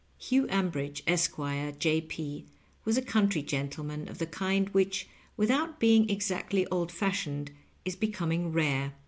Hugh Ambridge, Esq., J. F*, was a country gentle man of the kind which, without being exactly old f adb ioned, is becoming rare.